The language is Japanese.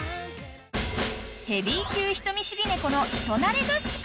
［ヘビー級人見知り猫の人馴れ合宿］